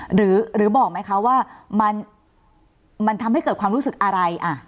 หรือบอกไหมคะว่ามันทำให้เกิดความรู้สึกอะไร